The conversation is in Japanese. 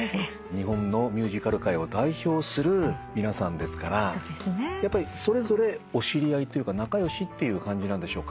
日本のミュージカル界を代表する皆さんですからやっぱりそれぞれお知り合いというか仲良しっていう感じなんでしょうか？